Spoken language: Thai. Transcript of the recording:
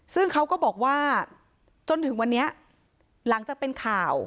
ซึ่งเขาก็บอกว่าจนถึงวันนี้หลังจากเป็นข่าว